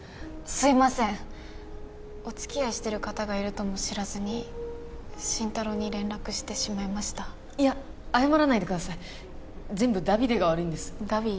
すいませんお付き合いしてる方がいるとも知らずに真太郎に連絡してしまいましたいや謝らないでください全部ダビデが悪いんですダビ？